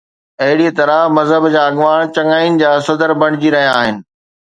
اهڙيءَ طرح مذهب جا اڳواڻ چڱاين جا صدر بڻجي رهيا آهن.